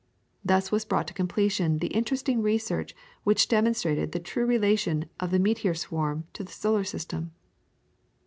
Thus was brought to completion the interesting research which demonstrated the true relation of the meteor swarm to the solar system.